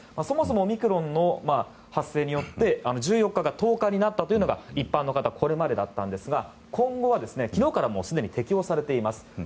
そもそもオミクロンの発生によって１４日が１０日になったのが一般の方のこれまでだったんですが今後は昨日からもうすでに適用されています。